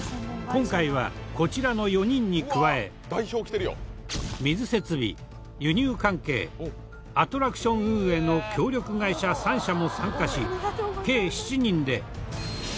今回はこちらの４人に加え水設備輸入関係アトラクション運営の協力会社３社も参加し計７人で。